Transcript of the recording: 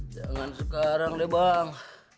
jangan sekarang deh bang